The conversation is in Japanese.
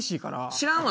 知らんわ！